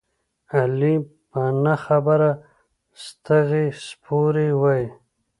علي په نه خبره ستغې سپورې وايي.